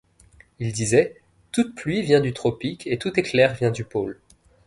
Il disait: « toute pluie vient du tropique et tout éclair vient du pôle.